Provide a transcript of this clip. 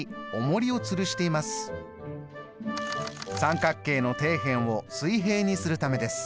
三角形の底辺を水平にするためです。